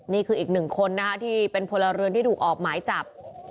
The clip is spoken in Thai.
นี่คืออีกหนึ่งคนนะคะที่เป็นพลเรือนที่ถูกออกหมายจับ